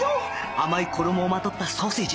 甘い衣をまとったソーセージ